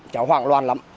cháu hoảng loạn lắm